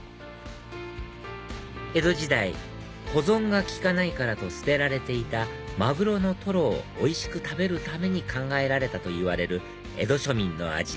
江戸時代保存が利かないからと捨てられていたマグロのトロをおいしく食べるために考えられたといわれる江戸庶民の味